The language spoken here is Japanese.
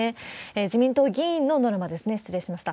自民党議員のノルマですね、失礼しました。